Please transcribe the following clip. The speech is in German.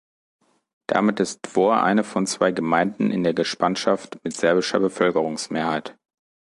Damit ist Dvor eine von zwei Gemeinden in der Gespanschaft mit serbischer Bevölkerungsmehrheit.